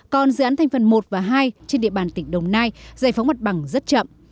còn dự án thành phần một và hai trên địa bàn tỉnh đồng nai giải phóng mặt bằng rất chậm